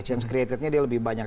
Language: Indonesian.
change created nya dia lebih banyak